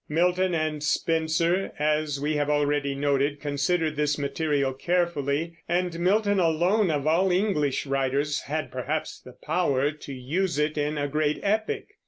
Milton and Spenser, as we have already noted, considered this material carefully; and Milton alone, of all English writers, had perhaps the power to use it in a great epic.